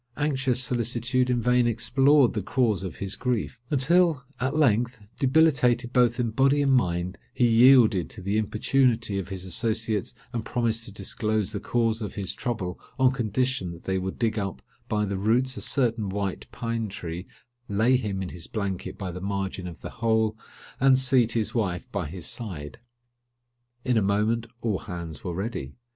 Anxious solicitude in vain explored the cause of his grief; until, at length, debilitated both in body and mind, he yielded to the importunity of his associates, and promised to disclose the cause of his trouble on condition that they would dig up by the roots a certain white pine tree, lay him in his blanket by the margin of the hole, and seat his wife by his side. In a moment all hands were ready.